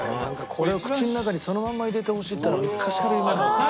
これを口の中にそのまんま入れてほしいっていうのが昔から夢なんだよ。